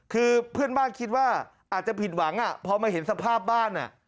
คือเพื่อนบ้านคิดว่าอาจจะผิดหวังพอมาเห็นสภาพบ้าน